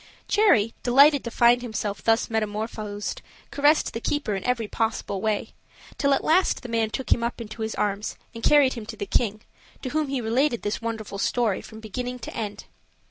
Cherry, delighted to find himself thus metamorphosed, caressed the keeper in every possible way, till at last the man took him up into his arms and carried him to the king, to whom he related this wonderful story, from beginning to end.